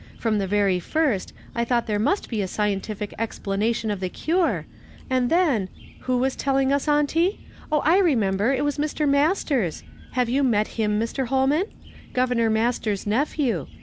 From the very first, I thonght there must be a scientific explanation of the cure, and then — who was telling us, auntie ? oh, I remember, it was Mr. Masters ; have you met him, Mr. Holman ? Governor Masters's nephew.